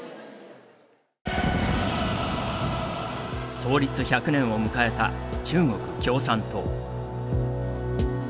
創立１００年を迎えた中国共産党。